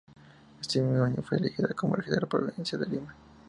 En este mismo año fue elegida regidora provincial de Lima.